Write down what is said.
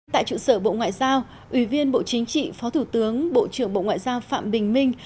tại trụ sở bộ ngoại giao ủy viên bộ chính trị phó thủ tướng bộ trưởng bộ ngoại giao phạm bình minh